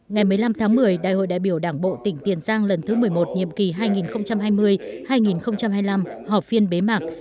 ngày một mươi năm tháng một mươi đại hội đại biểu đảng bộ tỉnh tiền giang lần thứ một mươi một nhiệm kỳ hai nghìn hai mươi hai nghìn hai mươi năm họp phiên bế mạc